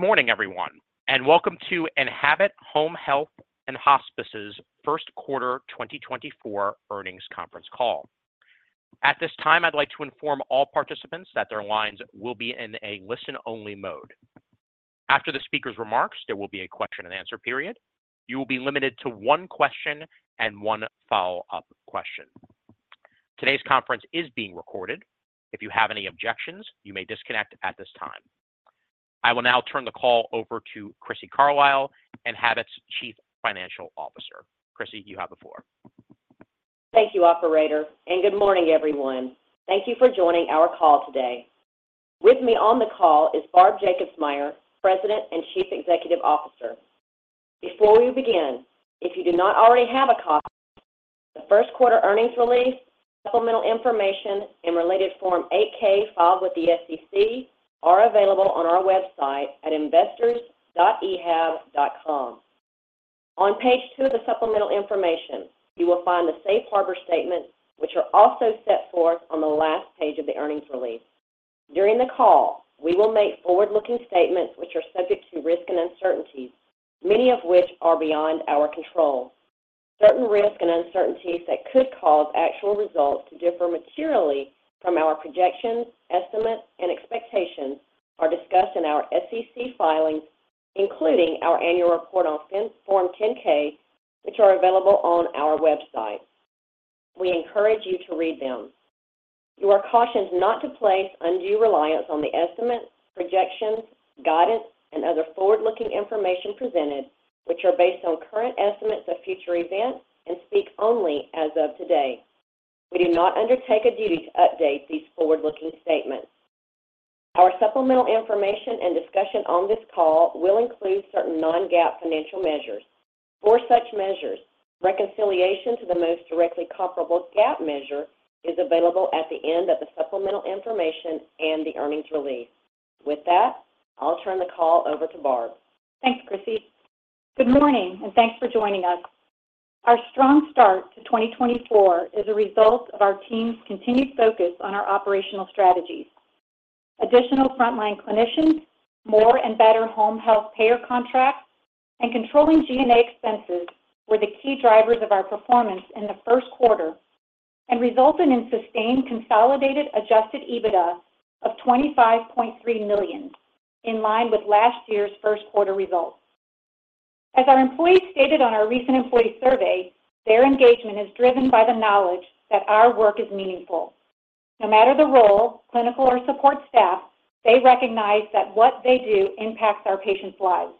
Good morning, everyone, and welcome to Enhabit Home Health & Hospice's first quarter 2024 earnings conference call. At this time, I'd like to inform all participants that their lines will be in a listen-only mode. After the speaker's remarks, there will be a question-and-answer period. You will be limited to one question and one follow-up question. Today's conference is being recorded. If you have any objections, you may disconnect at this time. I will now turn the call over to Crissy Carlisle, Enhabit's Chief Financial Officer. Crissy, you have the floor. Thank you, operator, and good morning, everyone. Thank you for joining our call today. With me on the call is Barb Jacobsmeyer, President and Chief Executive Officer. Before we begin, if you do not already have a copy, the first quarter earnings release, supplemental information, and related Form 8-K filed with the SEC are available on our website at investors.ehab.com. On page two of the supplemental information, you will find the safe harbor statements, which are also set forth on the last page of the earnings release. During the call, we will make forward-looking statements which are subject to risk and uncertainties, many of which are beyond our control. Certain risks and uncertainties that could cause actual results to differ materially from our projections, estimates, and expectations are discussed in our SEC filings, including our annual report on Form 10-K, which are available on our website. We encourage you to read them. You are cautioned not to place undue reliance on the estimates, projections, guidance, and other forward-looking information presented, which are based on current estimates of future events and speak only as of today. We do not undertake a duty to update these forward-looking statements. Our supplemental information and discussion on this call will include certain non-GAAP financial measures. For such measures, reconciliation to the most directly comparable GAAP measure is available at the end of the supplemental information and the earnings release. With that, I'll turn the call over to Barb. Thanks, Crissy. Good morning, and thanks for joining us. Our strong start to 2024 is a result of our team's continued focus on our operational strategies. Additional frontline clinicians, more and better home health payer contracts, and controlling G&A expenses were the key drivers of our performance in the first quarter and resulted in sustained consolidated Adjusted EBITDA of $25.3 million, in line with last year's first quarter results. As our employees stated on our recent employee survey, their engagement is driven by the knowledge that our work is meaningful. No matter the role, clinical or support staff, they recognize that what they do impacts our patients' lives.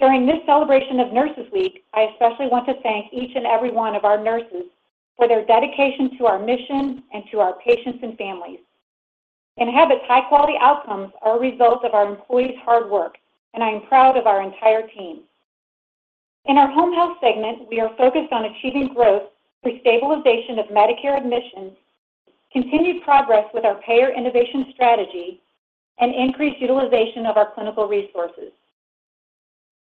During this celebration of Nurses' Week, I especially want to thank each and every one of our nurses for their dedication to our mission and to our patients and families. Enhabit's high-quality outcomes are a result of our employees' hard work, and I am proud of our entire team. In our home health segment, we are focused on achieving growth through stabilization of Medicare admissions, continued progress with our Payer Innovation strategy, and increased utilization of our clinical resources.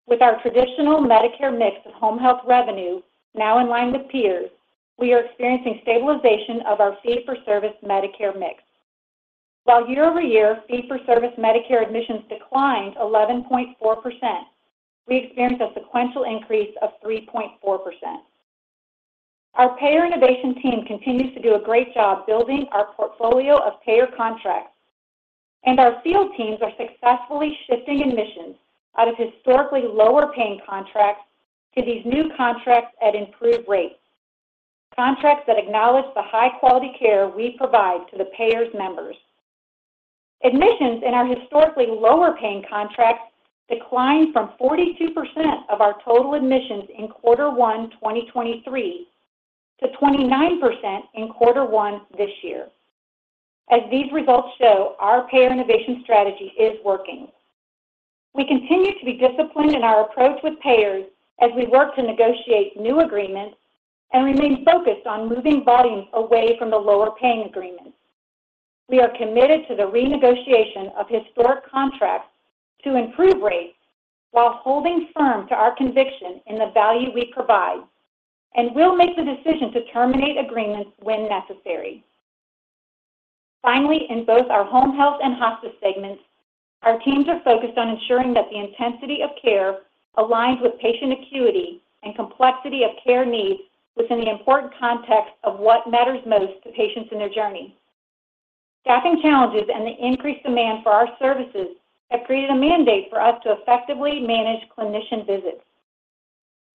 With our traditional Medicare mix of home health revenue now in line with peers, we are experiencing stabilization of our fee-for-service Medicare mix. While year-over-year fee-for-service Medicare admissions declined 11.4%, we experienced a sequential increase of 3.4%. Our Payer Innovation team continues to do a great job building our portfolio of payer contracts, and our field teams are successfully shifting admissions out of historically lower-paying contracts to these new contracts at improved rates, contracts that acknowledge the high-quality care we provide to the payers' members. Admissions in our historically lower-paying contracts declined from 42% of our total admissions in quarter one 2023 to 29% in quarter one this year. As these results show, our Payer Innovation strategy is working. We continue to be disciplined in our approach with payers as we work to negotiate new agreements and remain focused on moving volumes away from the lower-paying agreements. We are committed to the renegotiation of historic contracts to improve rates while holding firm to our conviction in the value we provide, and we'll make the decision to terminate agreements when necessary. Finally, in both our home health and hospice segments, our teams are focused on ensuring that the intensity of care aligns with patient acuity and complexity of care needs within the important context of what matters most to patients in their journey. Staffing challenges and the increased demand for our services have created a mandate for us to effectively manage clinician visits.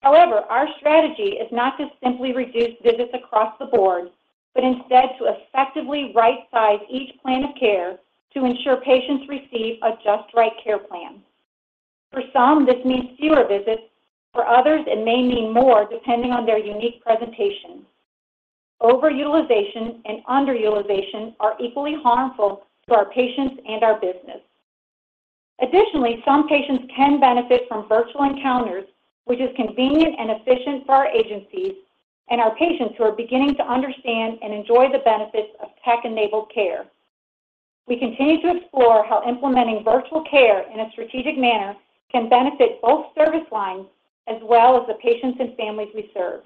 However, our strategy is not to simply reduce visits across the board, but instead to effectively right-size each plan of care to ensure patients receive a just-right care plan. For some, this means fewer visits. For others, it may mean more depending on their unique presentation. Overutilization and underutilization are equally harmful to our patients and our business. Additionally, some patients can benefit from virtual encounters, which is convenient and efficient for our agencies and our patients who are beginning to understand and enjoy the benefits of tech-enabled care. We continue to explore how implementing virtual care in a strategic manner can benefit both service lines as well as the patients and families we serve.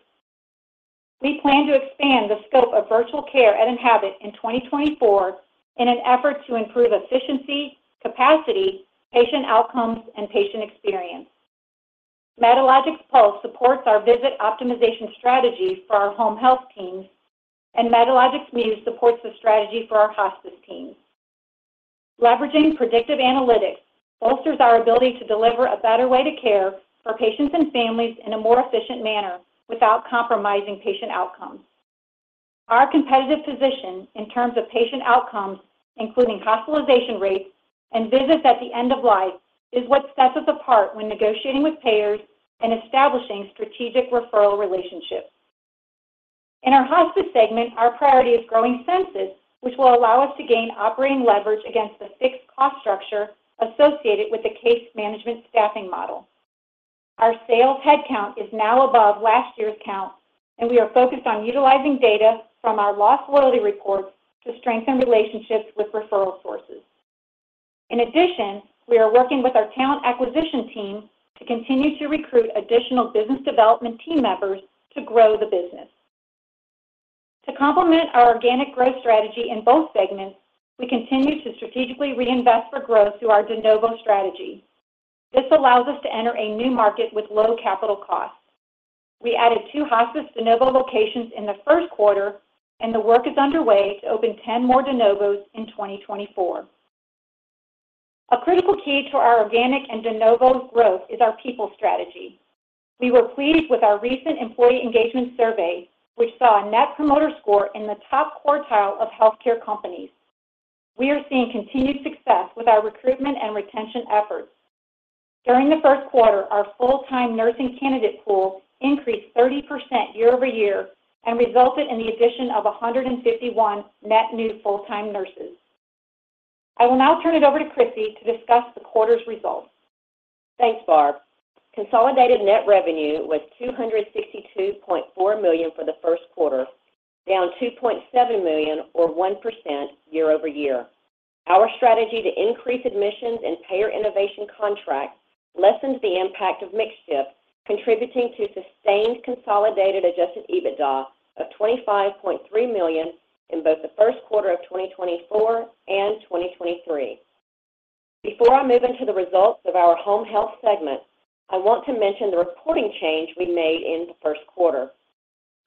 We plan to expand the scope of virtual care at Enhabit in 2024 in an effort to improve efficiency, capacity, patient outcomes, and patient experience. Medalogix Pulse supports our visit optimization strategy for our home health teams, and Medalogix Muse supports the strategy for our hospice teams. Leveraging predictive analytics bolsters our ability to deliver a better way to care for patients and families in a more efficient manner without compromising patient outcomes. Our competitive position in terms of patient outcomes, including hospitalization rates and visits at the end of life, is what sets us apart when negotiating with payers and establishing strategic referral relationships. In our hospice segment, our priority is growing census, which will allow us to gain operating leverage against the fixed cost structure associated with the case management staffing model. Our sales headcount is now above last year's count, and we are focused on utilizing data from our lost loyalty reports to strengthen relationships with referral sources. In addition, we are working with our talent acquisition team to continue to recruit additional business development team members to grow the business. To complement our organic growth strategy in both segments, we continue to strategically reinvest for growth through our de novo strategy. This allows us to enter a new market with low capital costs. We added 2 hospice de novo locations in the first quarter, and the work is underway to open 10 more de novos in 2024. A critical key to our organic and de novo growth is our people strategy. We were pleased with our recent employee engagement survey, which saw a Net Promoter Score in the top quartile of healthcare companies. We are seeing continued success with our recruitment and retention efforts. During the first quarter, our full-time nursing candidate pool increased 30% year-over-year and resulted in the addition of 151 net new full-time nurses. I will now turn it over to Crissy to discuss the quarter's results. Thanks, Barb. Consolidated net revenue was $262.4 million for the first quarter, down $2.7 million or 1% year-over-year. Our strategy to increase admissions and Payer Innovation contracts lessened the impact of mixed-shift, contributing to sustained consolidated Adjusted EBITDA of $25.3 million in both the first quarter of 2024 and 2023. Before I move into the results of our home health segment, I want to mention the reporting change we made in the first quarter.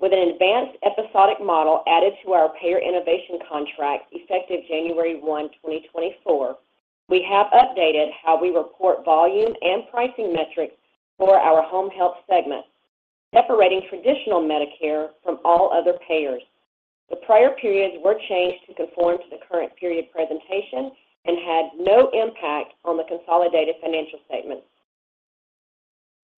With an advanced episodic model added to our Payer Innovation contract effective January 1, 2024, we have updated how we report volume and pricing metrics for our home health segment, separating traditional Medicare from all other payers. The prior periods were changed to conform to the current period presentation and had no impact on the consolidated financial statements.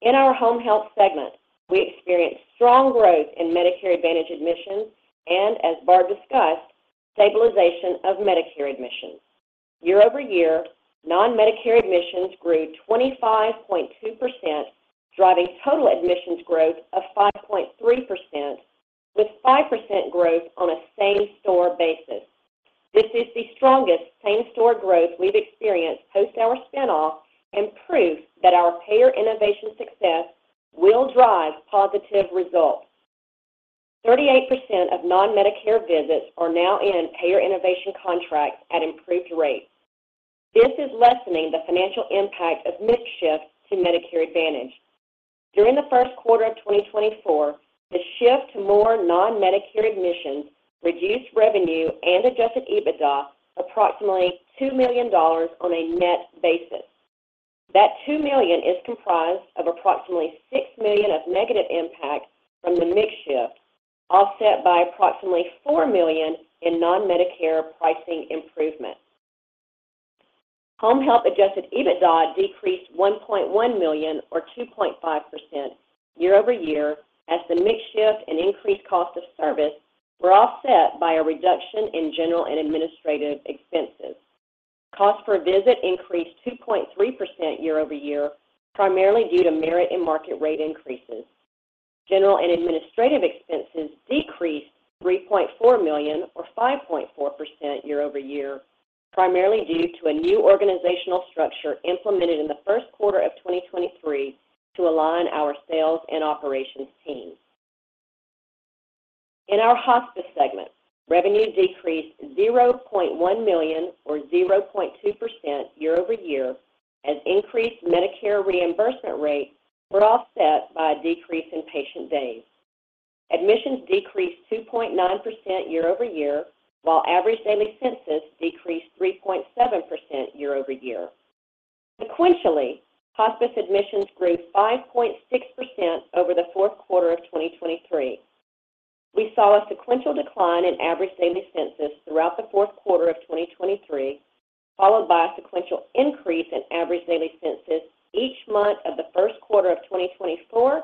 In our home health segment, we experienced strong growth in Medicare Advantage admissions and, as Barb discussed, stabilization of Medicare admissions. Year-over-year, non-Medicare admissions grew 25.2%, driving total admissions growth of 5.3%, with 5% growth on a same-store basis. This is the strongest same-store growth we've experienced post our spinoff and proof that our Payer Innovation success will drive positive results. 38% of non-Medicare visits are now in Payer Innovation contracts at improved rates. This is lessening the financial impact of mixed-shift to Medicare Advantage. During the first quarter of 2024, the shift to more non-Medicare admissions reduced revenue and Adjusted EBITDA approximately $2 million on a net basis. That $2 million is comprised of approximately $6 million of negative impact from the mixed-shift, offset by approximately $4 million in non-Medicare pricing improvement. Home health Adjusted EBITDA decreased $1.1 million or 2.5% year-over-year as the mixed-shift and increased cost of service were offset by a reduction in general and administrative expenses. Cost per visit increased 2.3% year-over-year, primarily due to merit and market rate increases. General and administrative expenses decreased $3.4 million or 5.4% year-over-year, primarily due to a new organizational structure implemented in the first quarter of 2023 to align our sales and operations teams. In our hospice segment, revenue decreased $0.1 million or 0.2% year-over-year as increased Medicare reimbursement rates were offset by a decrease in patient days. Admissions decreased 2.9% year-over-year, while average daily census decreased 3.7% year-over-year. Sequentially, hospice admissions grew 5.6% over the fourth quarter of 2023. We saw a sequential decline in average daily census throughout the fourth quarter of 2023, followed by a sequential increase in average daily census each month of the first quarter of 2024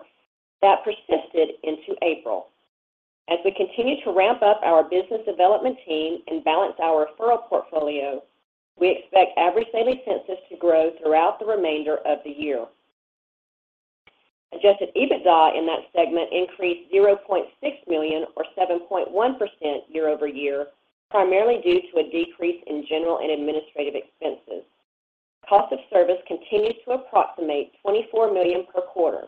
that persisted into April. As we continue to ramp up our business development team and balance our referral portfolio, we expect average daily census to grow throughout the remainder of the year. Adjusted EBITDA in that segment increased $0.6 million or 7.1% year over year, primarily due to a decrease in general and administrative expenses. Cost of service continues to approximate $24 million per quarter.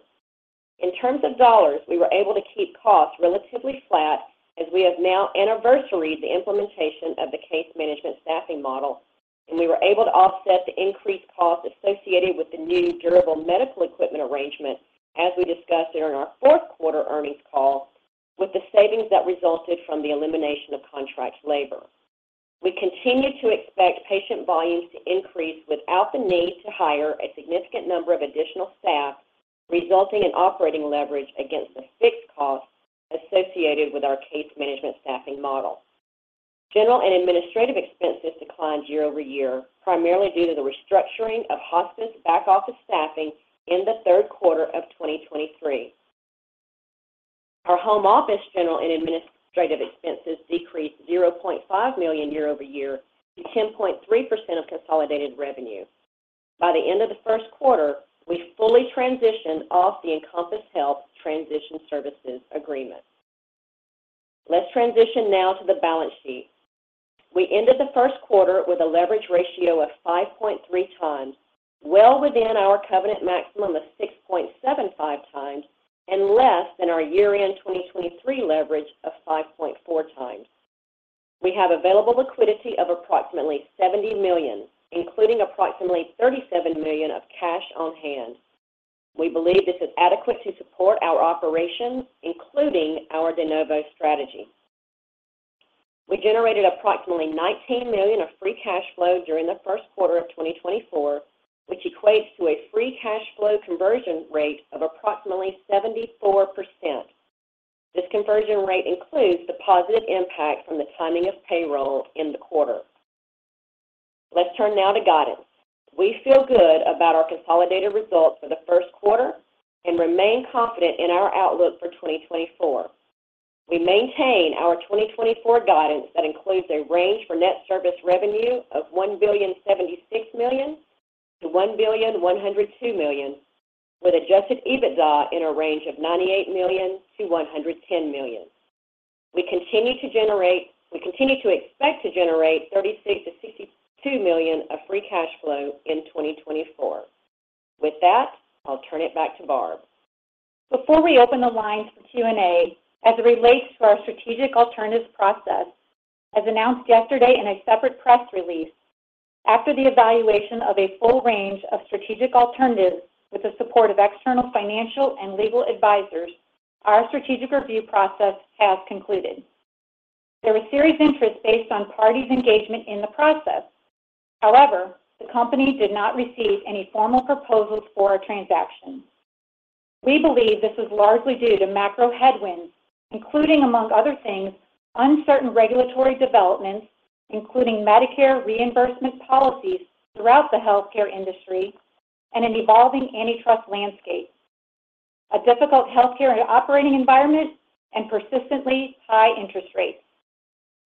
In terms of dollars, we were able to keep costs relatively flat as we have now anniversaried the implementation of the case management staffing model, and we were able to offset the increased costs associated with the new durable medical equipment arrangement, as we discussed during our fourth quarter earnings call, with the savings that resulted from the elimination of contract labor. We continue to expect patient volumes to increase without the need to hire a significant number of additional staff, resulting in operating leverage against the fixed costs associated with our case management staffing model. General and administrative expenses declined year-over-year, primarily due to the restructuring of hospice back-office staffing in the third quarter of 2023. Our home office general and administrative expenses decreased $0.5 million year-over-year to 10.3% of consolidated revenue. By the end of the first quarter, we fully transitioned off the Encompass Health Transition Services Agreement. Let's transition now to the balance sheet. We ended the first quarter with a leverage ratio of 5.3x, well within our covenant maximum of 6.75x, and less than our year-end 2023 leverage of 5.4x. We have available liquidity of approximately $70 million, including approximately $37 million of cash on hand. We believe this is adequate to support our operations, including our de novo strategy. We generated approximately $19 million of free cash flow during the first quarter of 2024, which equates to a free cash flow conversion rate of approximately 74%. This conversion rate includes the positive impact from the timing of payroll in the quarter. Let's turn now to guidance. We feel good about our consolidated results for the first quarter and remain confident in our outlook for 2024. We maintain our 2024 guidance that includes a range for net service revenue of $1.076 billion-$1.102 billion, with adjusted EBITDA in a range of $98 million-$110 million. We continue to expect to generate $36 million-$62 million of free cash flow in 2024. With that, I'll turn it back to Barb. Before we open the lines for Q&A, as it relates to our strategic alternatives process, as announced yesterday in a separate press release, after the evaluation of a full range of strategic alternatives with the support of external financial and legal advisors, our strategic review process has concluded. There was serious interest based on parties' engagement in the process. However, the company did not receive any formal proposals for our transaction. We believe this was largely due to macro headwinds, including, among other things, uncertain regulatory developments, including Medicare reimbursement policies throughout the healthcare industry and an evolving antitrust landscape, a difficult healthcare and operating environment, and persistently high interest rates.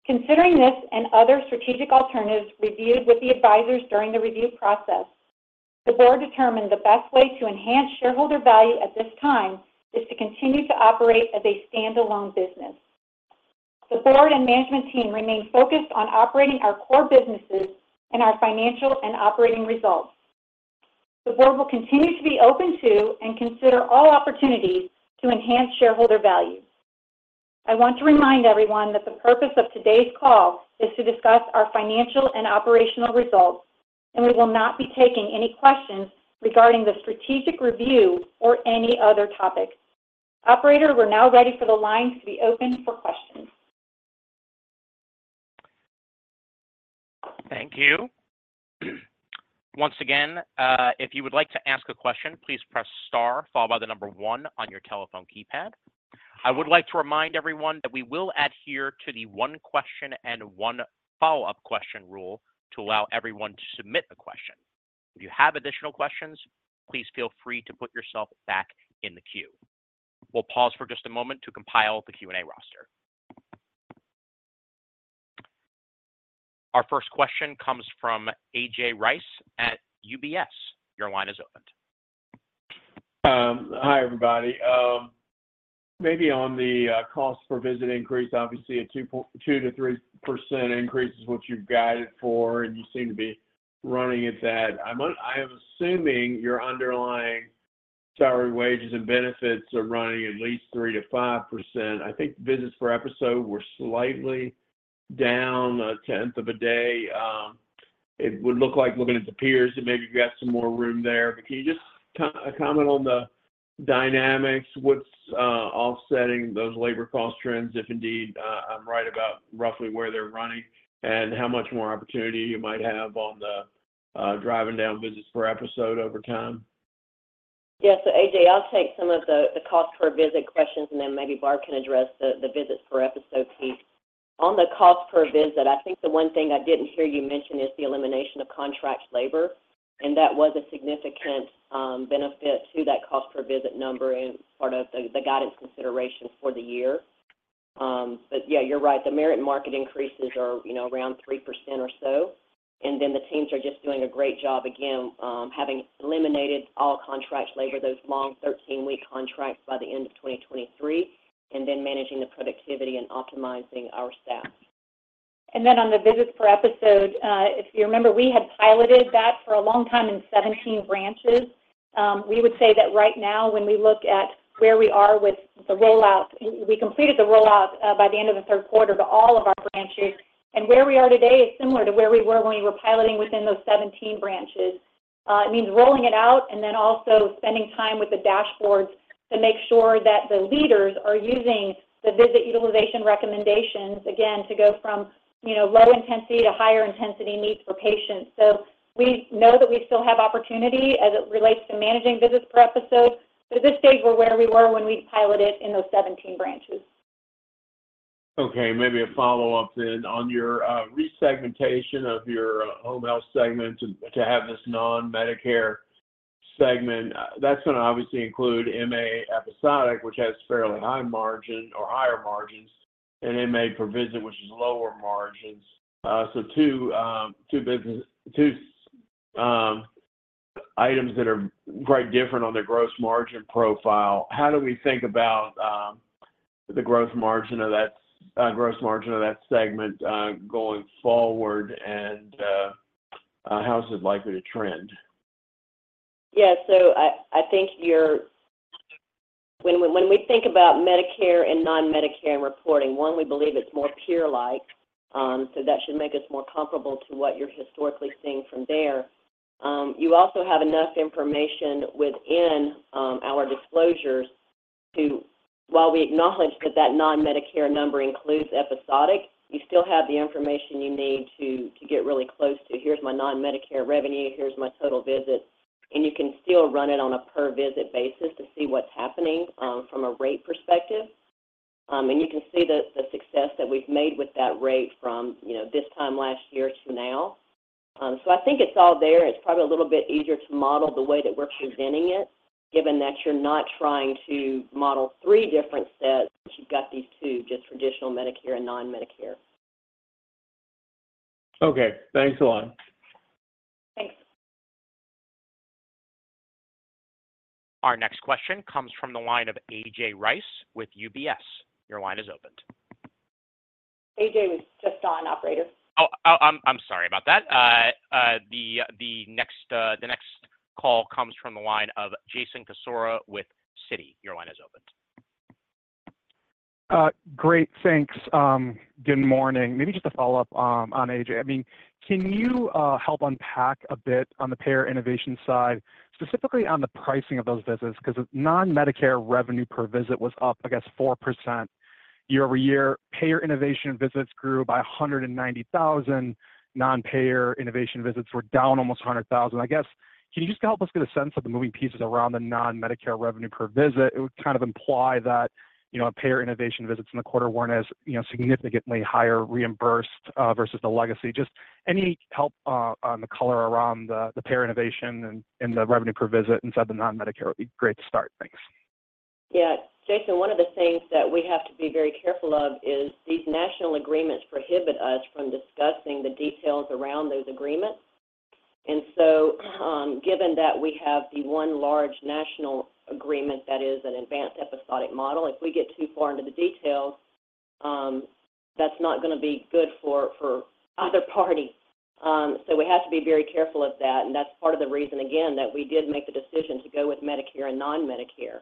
Considering this and other strategic alternatives reviewed with the advisors during the review process, the board determined the best way to enhance shareholder value at this time is to continue to operate as a standalone business. The board and management team remain focused on operating our core businesses and our financial and operating results. The board will continue to be open to and consider all opportunities to enhance shareholder value. I want to remind everyone that the purpose of today's call is to discuss our financial and operational results, and we will not be taking any questions regarding the strategic review or any other topic. Operator, we're now ready for the lines to be open for questions. Thank you. Once again, if you would like to ask a question, please press star, followed by the number one on your telephone keypad. I would like to remind everyone that we will adhere to the one question and one follow-up question rule to allow everyone to submit a question. If you have additional questions, please feel free to put yourself back in the queue. We'll pause for just a moment to compile the Q&A roster. Our first question comes from A.J. Rice at UBS. Your line is open. Hi, everybody. Maybe on the cost per visit increase, obviously, a 2%-3% increase is what you've guided for, and you seem to be running at that. I am assuming your underlying salary wages and benefits are running at least 3%-5%. I think visits per episode were slightly down a tenth of a day. It would look like, looking at the peers, that maybe you have some more room there. But can you just comment on the dynamics? What's offsetting those labor cost trends, if indeed I'm right about roughly where they're running, and how much more opportunity you might have on the driving down visits per episode over time? Yes. AJ, I'll take some of the cost per visit questions, and then maybe Barb can address the visits per episode piece. On the cost per visit, I think the one thing I didn't hear you mention is the elimination of contract labor, and that was a significant benefit to that cost per visit number and part of the guidance consideration for the year. But yeah, you're right. The merit and market increases are around 3% or so. And then the teams are just doing a great job, again, having eliminated all contract labor, those long 13-week contracts by the end of 2023, and then managing the productivity and optimizing our staff. Then on the visits per episode, if you remember, we had piloted that for a long time in 17 branches. We would say that right now, when we look at where we are with the rollout, we completed the rollout by the end of the third quarter to all of our branches, and where we are today is similar to where we were when we were piloting within those 17 branches. It means rolling it out and then also spending time with the dashboards to make sure that the leaders are using the visit utilization recommendations, again, to go from low intensity to higher intensity needs for patients. We know that we still have opportunity as it relates to managing visits per episode, but at this stage, we're where we were when we piloted in those 17 branches. Okay. Maybe a follow-up then on your resegmentation of your home health segment to have this non-Medicare segment. That's going to obviously include MA episodic, which has fairly high margin or higher margins, and MA per visit, which is lower margins. So two items that are quite different on their gross margin profile. How do we think about the gross margin of that segment going forward, and how is it likely to trend? Yeah. So I think when we think about Medicare and non-Medicare and reporting, one, we believe it's more peer-like, so that should make us more comparable to what you're historically seeing from there. You also have enough information within our disclosures to, while we acknowledge that that non-Medicare number includes episodic, you still have the information you need to get really close to, "Here's my non-Medicare revenue. Here's my total visits," and you can still run it on a per-visit basis to see what's happening from a rate perspective. And you can see the success that we've made with that rate from this time last year to now. So I think it's all there. It's probably a little bit easier to model the way that we're presenting it, given that you're not trying to model three different sets, but you've got these two, just traditional Medicare and non-Medicare. Okay. Thanks alot. Thanks. Our next question comes from the line of A.J. Rice with UBS. Your line is open. AJ was just on, operator. Oh, I'm sorry about that. The next call comes from the line of Jason Cassorla with Citi. Your line is open. Great. Thanks. Good morning. Maybe just a follow-up on AJ. I mean, can you help unpack a bit on the Payer Innovation side, specifically on the pricing of those visits? Because non-Medicare revenue per visit was up, I guess, 4% year-over-year. Payer Innovation visits grew by 190,000. Non-Payer Innovation visits were down almost 100,000. I guess, can you just help us get a sense of the moving pieces around the non-Medicare revenue per visit? It would kind of imply that Payer Innovation visits in the quarter weren't as significantly higher reimbursed versus the legacy. Just any help on the color around the Payer Innovation and the revenue per visit inside the non-Medicare would be great to start. Thanks. Yeah. Jason, one of the things that we have to be very careful of is these national agreements prohibit us from discussing the details around those agreements. And so given that we have the one large national agreement that is an advanced episodic model, if we get too far into the details, that's not going to be good for other parties. So we have to be very careful of that. And that's part of the reason, again, that we did make the decision to go with Medicare and non-Medicare.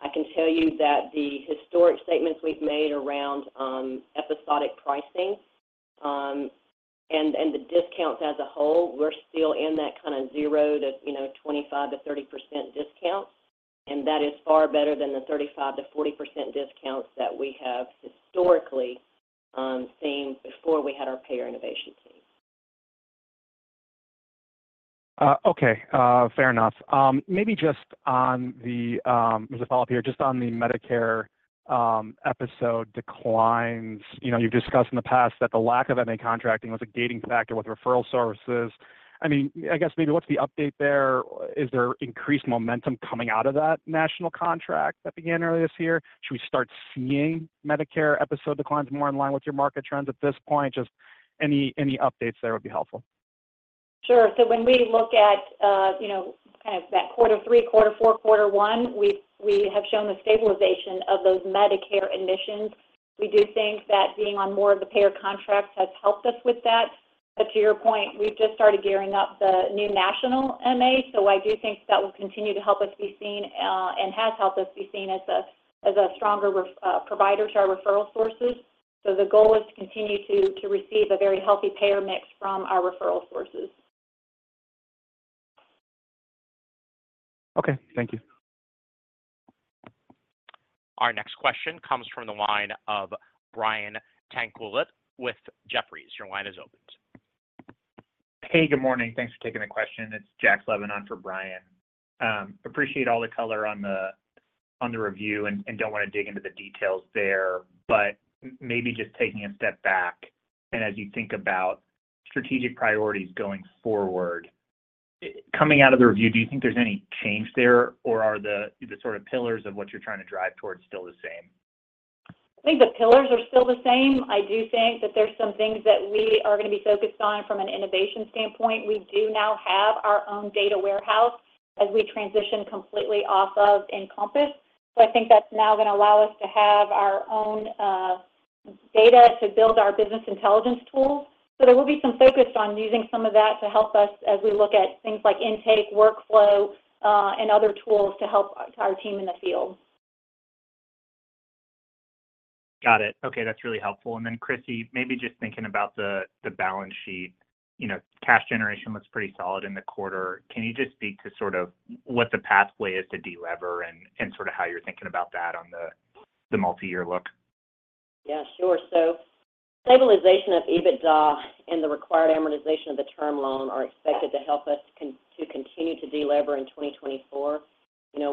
I can tell you that the historic statements we've made around episodic pricing and the discounts as a whole, we're still in that kind of 0%-25%-30% discounts, and that is far better than the 35%-40% discounts that we have historically seen before we had our payer innovation team. Okay. Fair enough. Maybe just on the, there's a follow-up here. Just on the Medicare episode declines, you've discussed in the past that the lack of MA contracting was a gating factor with referral services. I mean, I guess maybe what's the update there? Is there increased momentum coming out of that national contract that began earlier this year? Should we start seeing Medicare episode declines more in line with your market trends at this point? Just any updates there would be helpful. Sure. So when we look at kind of that quarter three, quarter four, quarter one, we have shown the stabilization of those Medicare admissions. We do think that being on more of the payer contracts has helped us with that. But to your point, we've just started gearing up the new national MA, so I do think that will continue to help us be seen and has helped us be seen as a stronger provider to our referral sources. So the goal is to continue to receive a very healthy payer mix from our referral sources. Okay. Thank you. Our next question comes from the line of Brian Tanquilut with Jefferies. Your line is open. Hey, good morning. Thanks for taking the question. It's Jack Slevin on for Brian. Appreciate all the color on the review and don't want to dig into the details there, but maybe just taking a step back and as you think about strategic priorities going forward, coming out of the review, do you think there's any change there, or are the sort of pillars of what you're trying to drive towards still the same? I think the pillars are still the same. I do think that there's some things that we are going to be focused on from an innovation standpoint. We do now have our own data warehouse as we transition completely off of Encompass. So I think that's now going to allow us to have our own data to build our business intelligence tools. So there will be some focus on using some of that to help us as we look at things like intake, workflow, and other tools to help our team in the field. Got it. Okay. That's really helpful. And then, Crissy, maybe just thinking about the balance sheet, cash generation looks pretty solid in the quarter. Can you just speak to sort of what the pathway is to delever and sort of how you're thinking about that on the multi-year look? Yeah. Sure. So stabilization of EBITDA and the required amortization of the term loan are expected to help us to continue to delever in 2024.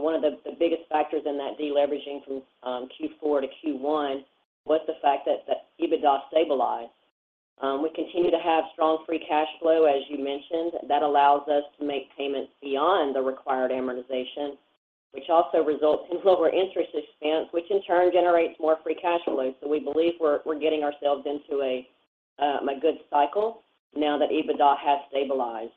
One of the biggest factors in that deleveraging from Q4 to Q1 was the fact that EBITDA stabilized. We continue to have strong free cash flow, as you mentioned. That allows us to make payments beyond the required amortization, which also results in lower interest expense, which in turn generates more free cash flow. So we believe we're getting ourselves into a good cycle now that EBITDA has stabilized.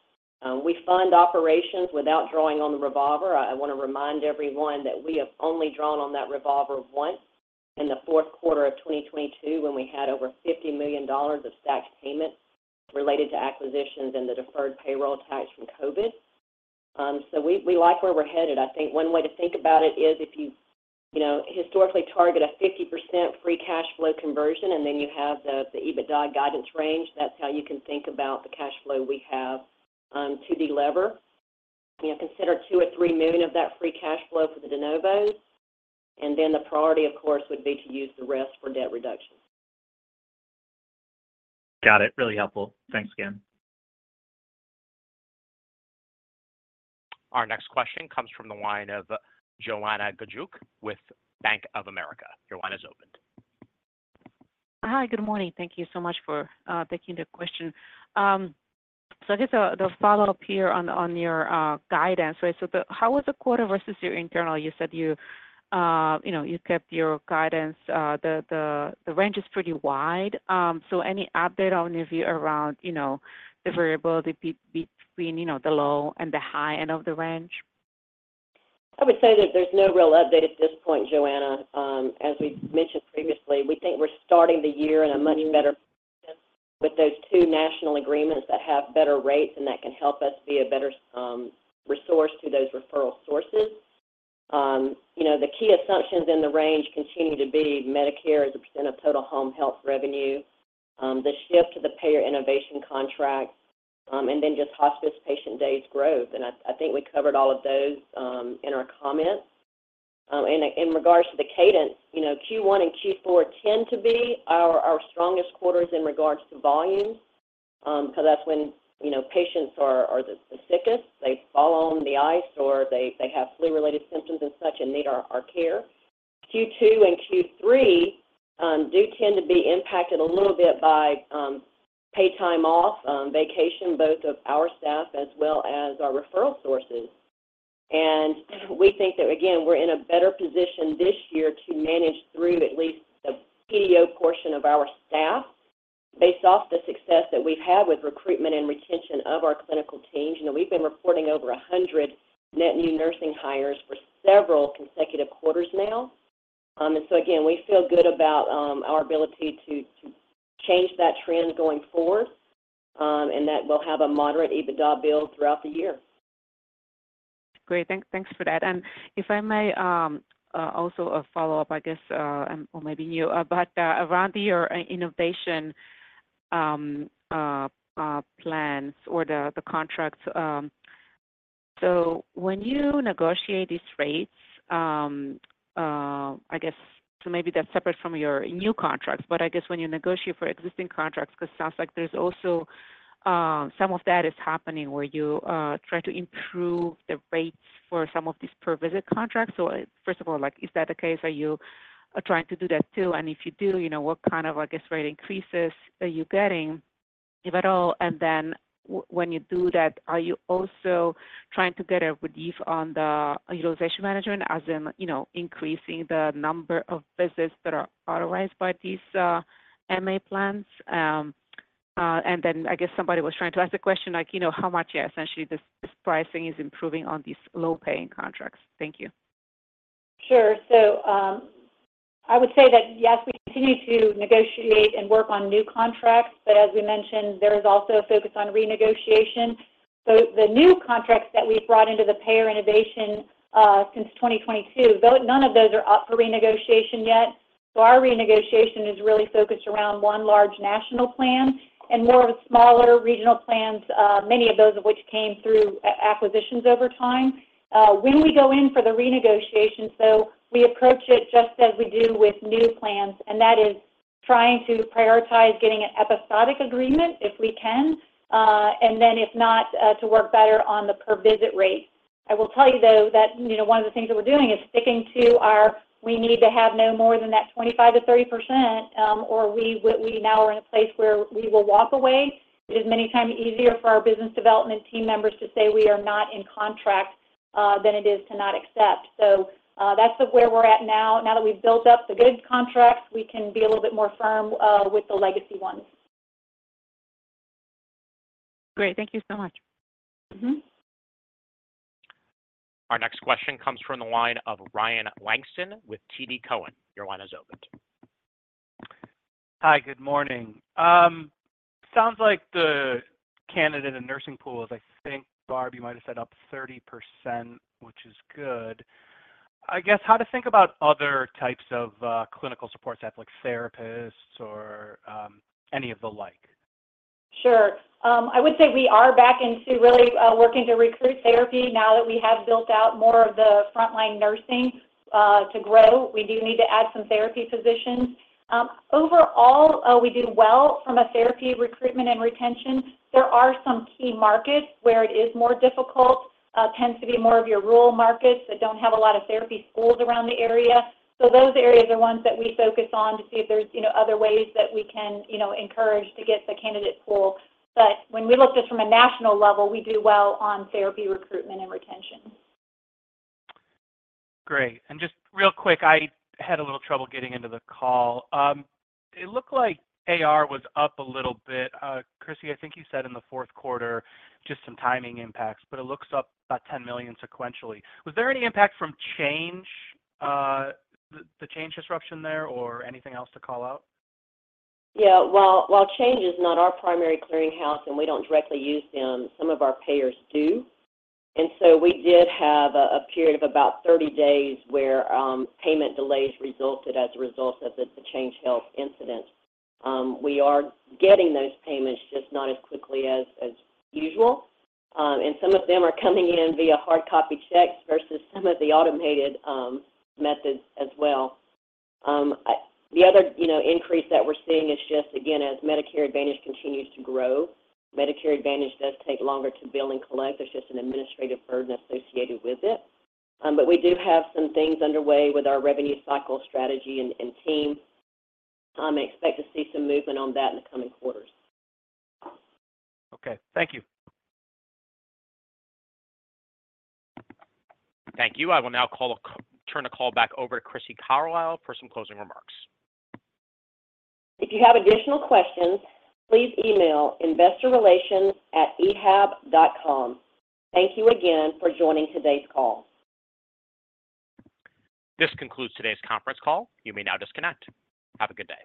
We fund operations without drawing on the revolver. I want to remind everyone that we have only drawn on that revolver once in the fourth quarter of 2022 when we had over $50 million of tax payments related to acquisitions and the deferred payroll tax from COVID. So we like where we're headed. I think one way to think about it is if you historically target a 50% free cash flow conversion, and then you have the EBITDA guidance range, that's how you can think about the cash flow we have to delever. Consider $2 million or $3 million of that free cash flow for the de novos, and then the priority, of course, would be to use the rest for debt reduction. Got it. Really helpful. Thanks again. Our next question comes from the line of Joanna Gajuk with Bank of America. Your line is open. Hi. Good morning. Thank you so much for taking the question. So I guess the follow-up here on your guidance, right? So how was the quarter versus your internal? You said you kept your guidance. The range is pretty wide. So any update on your view around the variability between the low and the high end of the range? I would say that there's no real update at this point, Joanna. As we mentioned previously, we think we're starting the year in a much better position with those two national agreements that have better rates and that can help us be a better resource to those referral sources. The key assumptions in the range continue to be Medicare as a % of total home health revenue, the shift to the Payer Innovation contract, and then just hospice patient days growth. And I think we covered all of those in our comments. And in regards to the cadence, Q1 and Q4 tend to be our strongest quarters in regards to volume because that's when patients are the sickest. They fall on the ice or they have flu-related symptoms and such and need our care. Q2 and Q3 do tend to be impacted a little bit by paid time off, vacation, both of our staff as well as our referral sources. We think that, again, we're in a better position this year to manage through at least the PDO portion of our staff based off the success that we've had with recruitment and retention of our clinical teams. We've been reporting over 100 net new nursing hires for several consecutive quarters now. So, again, we feel good about our ability to change that trend going forward and that we'll have a moderate EBITDA build throughout the year. Great. Thanks for that. If I may also follow up, I guess, or maybe you, but around your innovation plans or the contracts, so when you negotiate these rates, I guess, so maybe that's separate from your new contracts, but I guess when you negotiate for existing contracts because it sounds like there's also some of that is happening where you try to improve the rates for some of these per-visit contracts. First of all, is that the case? Are you trying to do that too? And if you do, what kind of, I guess, rate increases are you getting, if at all? And then when you do that, are you also trying to get a relief on the utilization management, as in increasing the number of visits that are authorized by these MA plans? And then I guess somebody was trying to ask the question, how much essentially this pricing is improving on these low-paying contracts? Thank you. Sure. So I would say that, yes, we continue to negotiate and work on new contracts, but as we mentioned, there is also a focus on renegotiation. So the new contracts that we've brought into the Payer Innovation since 2022, none of those are up for renegotiation yet. So our renegotiation is really focused around one large national plan and more of smaller regional plans, many of those of which came through acquisitions over time. When we go in for the renegotiation, though, we approach it just as we do with new plans, and that is trying to prioritize getting an episodic agreement if we can, and then if not, to work better on the per-visit rate. I will tell you, though, that one of the things that we're doing is sticking to our. We need to have no more than that 25%-30%, or we now are in a place where we will walk away. It is many times easier for our business development team members to say we are not in contract than it is to not accept. So that's where we're at now. Now that we've built up the good contracts, we can be a little bit more firm with the legacy ones. Great. Thank you so much. Our next question comes from the line of Ryan Langston with TD Cowen. Your line is open. Hi. Good morning. Sounds like the candidate in the nursing pool is, I think, Barb, you might have said up 30%, which is good. I guess, how to think about other types of clinical support staff, like therapists or any of the like? Sure. I would say we are back into really working to recruit therapy now that we have built out more of the frontline nursing to grow. We do need to add some therapy positions. Overall, we do well from a therapy recruitment and retention. There are some key markets where it is more difficult. It tends to be more of your rural markets that don't have a lot of therapy schools around the area. So those areas are ones that we focus on to see if there's other ways that we can encourage to get the candidate pool. But when we look just from a national level, we do well on therapy recruitment and retention. Great. And just real quick, I had a little trouble getting into the call. It looked like AR was up a little bit. Crissy, I think you said in the fourth quarter, just some timing impacts, but it looks up about $10 million sequentially. Was there any impact from the change disruption there or anything else to call out? Yeah. While Change Healthcare is not our primary clearinghouse and we don't directly use them, some of our payers do. And so we did have a period of about 30 days where payment delays resulted as a result of the Change Healthcare incident. We are getting those payments just not as quickly as usual, and some of them are coming in via hard copy checks versus some of the automated methods as well. The other increase that we're seeing is just, again, as Medicare Advantage continues to grow. Medicare Advantage does take longer to bill and collect. There's just an administrative burden associated with it. But we do have some things underway with our revenue cycle strategy and team. I expect to see some movement on that in the coming quarters. Okay. Thank you. Thank you. I will now turn the call back over to Crissy Carlisle for some closing remarks. If you have additional questions, please email investorrelations@ehab.com. Thank you again for joining today's call. This concludes today's conference call. You may now disconnect. Have a good day.